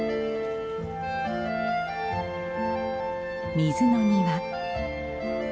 水の庭。